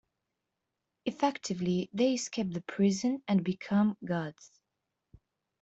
Effectively, they escape the prison and become gods.